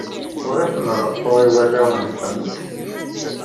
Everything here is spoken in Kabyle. Ur asen-reqquɣ i warraw-nsent.